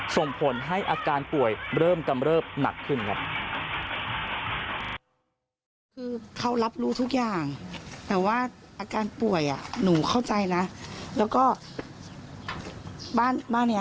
ส่งผลให้อาการป่วยเริ่มกำเริบหนักขึ้นครับ